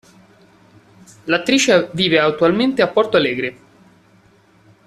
L'attrice vive attualmente a Porto Alegre.